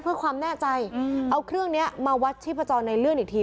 เพื่อความแน่ใจเอาเครื่องนี้มาวัดชีพจรในเลื่อนอีกที